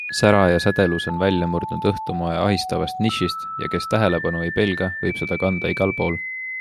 Sära ja sädelus on välja murdnud õhtumoe ahistavast nišist ja kes tähelepanu ei pelga, võib seda kanda igal pool.